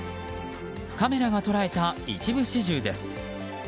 カメラが捉えた一部始終です。